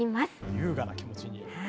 優雅な気持ちに。